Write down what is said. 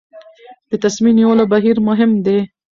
د تصمیم نیولو بهیر مهم دی